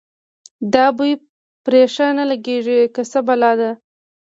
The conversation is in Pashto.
دا بوی پرې ښه نه لګېږي که څه بلا ده.